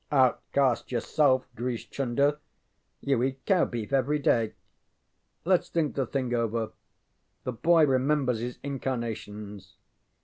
ŌĆØ ŌĆ£Outcast yourself, Grish Chunder! You eat cow beef every day. LetŌĆÖs think the thing over. The boy remembers his incarnations.